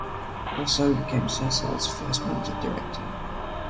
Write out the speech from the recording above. Rousseau became Sasol's first managing director.